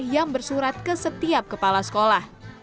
yang bersurat ke setiap kepala sekolah